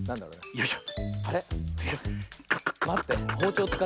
よいしょ。